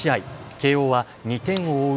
慶応は２点を追う